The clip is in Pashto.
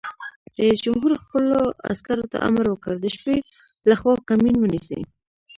رئیس جمهور خپلو عسکرو ته امر وکړ؛ د شپې لخوا کمین ونیسئ!